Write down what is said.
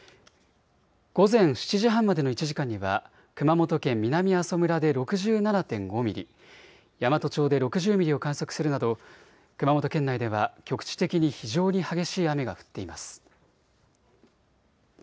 午前７時半までの１時間には熊本県南阿蘇村で６７．５ミリ、山都町で６０ミリを観測するなど熊本県内では局地的に非常に激しい雨が降っています。